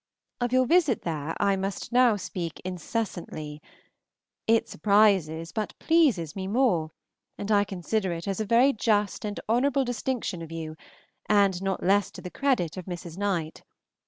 Of your visit there I must now speak "incessantly;" it surprises, but pleases me more, and I consider it as a very just and honorable distinction of you, and not less to the credit of Mrs. Knight.